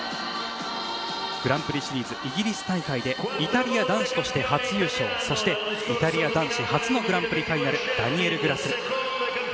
グランプリシリーズイギリス大会でイタリア男子として初優勝そしてイタリア男子初のグランプリファイナルダニエル・グラスル。